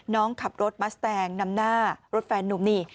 น้องขับรถมัสแตงนำหน้ารถแฟนนุ่มนี่